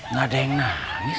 nggak ada yang nangis